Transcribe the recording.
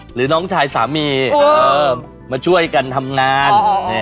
หรือน้องชายสามีมาช่วยกันทำงาน